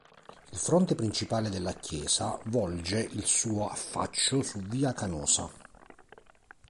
Il fronte principale della chiesa volge il suo affaccio su via Canosa.